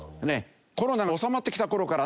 コロナが収まってきた頃からね